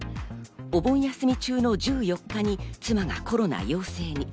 お盆休み中の１４日に妻がコロナ陽性に。